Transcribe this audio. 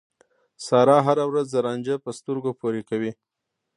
سارا هر ورځ رانجه په سترګو پورې کوي.